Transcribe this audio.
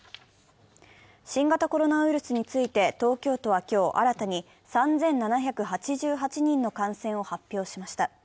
新型コロナウイルスについて東京都は今日、新たに３７８８人の感染を発表しました。